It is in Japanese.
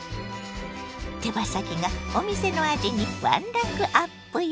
手羽先がお店の味にワンランクアップよ！